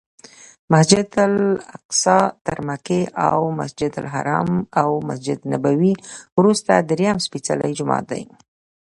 مسجدالاقصی تر مکې او مسجدالحرام او مسجدنبوي وروسته درېیم سپېڅلی جومات دی.